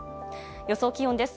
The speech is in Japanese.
予想気温です。